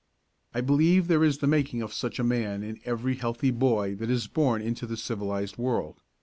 I believe there is the making of such a man in every healthy boy that is born into the civilised world.